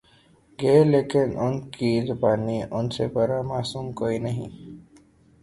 گے لیکن ان کی زبانی ان سے بڑا معصوم کوئی نہیں۔